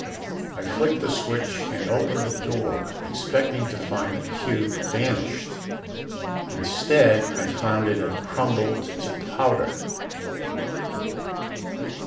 I flicked the switch and opened the door, expecting to find the cube vanished. Instead I found it had crumbled to powder.